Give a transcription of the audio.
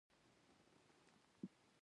په خبرو کي دقت کوه